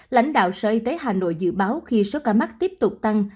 lãnh đạo sở y tế hà nội dự báo khi số ca mắc tiếp tục tăng